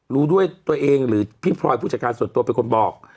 รู้ด้วยตัวเองหรือพี่พลอยผู้จัดการส่วนตัวเป็นคนบอก